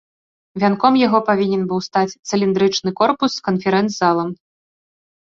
Вянком яго павінен быў стаць цыліндрычны корпус з канферэнц-залом.